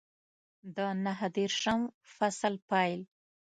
د نهه دېرشم فصل پیل